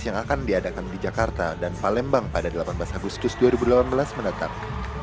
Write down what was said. yang akan diadakan di jakarta dan palembang pada delapan belas agustus dua ribu delapan belas mendatang